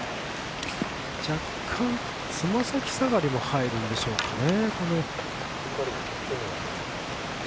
若干、爪先下がりも入るんでしょうかね。